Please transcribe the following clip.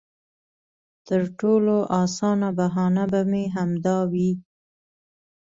تر ټولو اسانه بهانه به مې همدا وي.